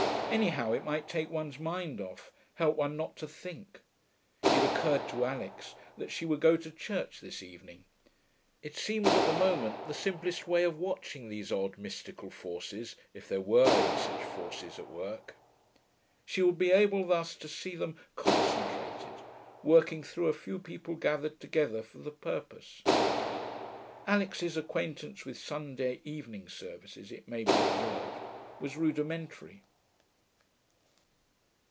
Anyhow, it might take one's mind off, help one not to think. It occurred to Alix that she would go to church this evening. It seemed, at the moment, the simplest way of watching these odd mystical forces, if there were any such forces, at work. She would be able thus to see them concentrated, working through a few people gathered together for the purpose. Alix's acquaintance with Sunday evening services, it may be observed, was rudimentary.